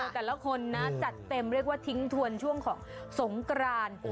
แต่ละคนนะจัดเต็มเรียกว่าทิ้งทวนช่วงของสงกราน